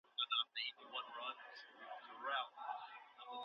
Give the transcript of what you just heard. شرعیاتو پوهنځۍ په خپلسري ډول نه ویشل کیږي.